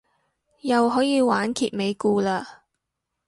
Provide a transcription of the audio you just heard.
又可以玩揭尾故嘞